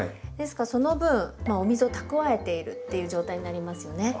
ですからその分お水を蓄えているっていう状態になりますよね。